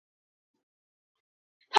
车站两股正线轨道中央设有存车线。